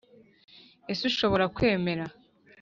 Ese ushobora kwemera